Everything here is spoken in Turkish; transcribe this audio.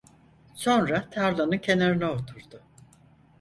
Sonra tarlanın kenarına oturdu.